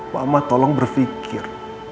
mama tolong berpikir